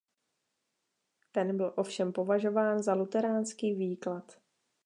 Ten byl ovšem považován za luteránský výklad.